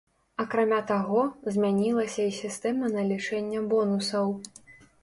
Акрамя таго, змянілася і сістэма налічэння бонусаў.